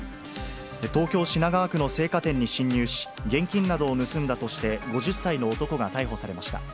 東京・品川区の青果店に侵入し、現金などを盗んだとして５０歳の男が逮捕されました。